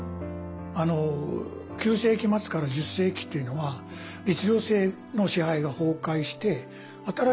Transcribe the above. ９世紀末から１０世紀っていうのは律令制の支配が崩壊して新しい社会になってきて。